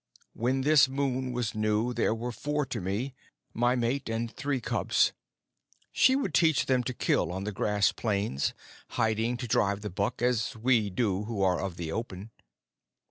When this moon was new there were four to me my mate and three cubs. She would teach them to kill on the grass plains, hiding to drive the buck, as we do who are of the open.